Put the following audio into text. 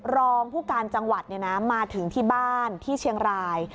รองผู้การจังหวัดมาถึงที่บ้านที่เชียงราย